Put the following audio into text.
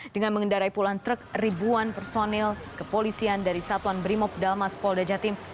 dengan mengendarai puluhan truk ribuan personil kepolisian dari satuan brimob dalmas polda jatim